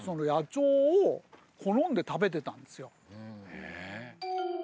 へえ。